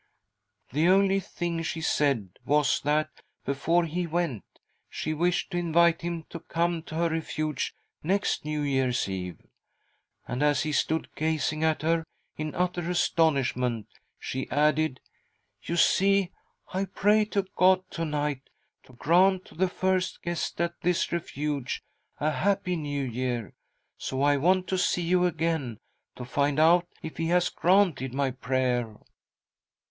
" The only thing she said was that, before he went, she wished to invite him to come to her Refuge next New Year's Eve. And as he stood gazing at her in utter astonishment, she added :' You see, I prayed to God to night to grant to the first guest at this Refuge a happy New Year, so I ■■"'■'"■'"■■■■■~~~ T^" ~~— ~T A CALL FROM THE PAST 83 want to see you again to find out if He has granted my prayer.'